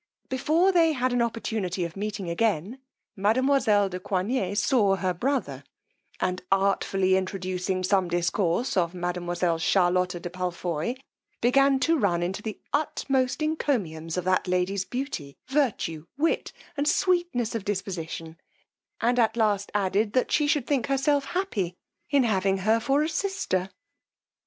Before they had an opportunity of meeting again, mademoiselle de Coigney saw her brother; and artfully introducing some discourse of mademoiselle Charlotta de Palfoy, began to run into the utmost encomiums on that lady's beauty, virtue, wit, and sweetness of disposition, and at last added, that she should think herself happy in having her for a sister.